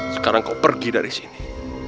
sekarang kau pergi dari sini